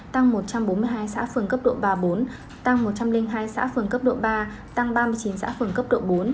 tăng một trăm bốn mươi hai xã phường cấp độ ba bốn tăng một trăm linh hai xã phường cấp độ ba tăng ba mươi chín xã phường cấp độ bốn